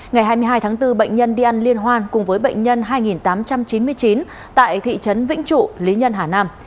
ngày hai mươi hai tháng bốn bệnh nhân đi ăn liên hoan cùng với bệnh nhân hai tám trăm chín mươi chín tại thị trấn vĩnh trụ lý nhân hà nam